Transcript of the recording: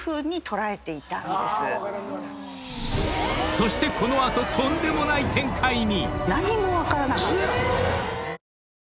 ［そしてこの後とんでもない展開に！］